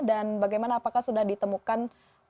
dan bagaimana apakah sudah ditemukan